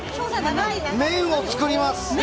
麺を作ります。